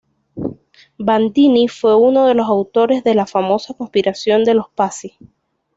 Bandini fue uno de los autores de la famosa conspiración de los Pazzi.